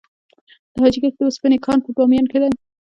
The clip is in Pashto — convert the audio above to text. د حاجي ګک د وسپنې کان په بامیان کې دی